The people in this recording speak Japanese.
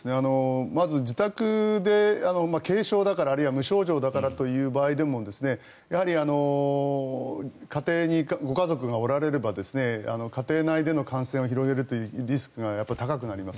まず、自宅で軽症だからあるいは無症状だからという場合でもやはり家庭にご家族がおられれば家庭内での感染を広げるというリスクが高くなります。